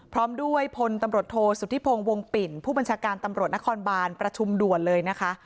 พร้อมด้วยพลตำรวจโทษสุธิพงศ์วงปิ่นผู้บัญชาการตำรวจนครบานประชุมด่วนเลยนะคะ